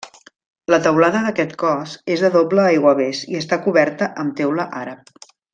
La teulada d'aquest cos és de doble aiguavés i està coberta amb teula àrab.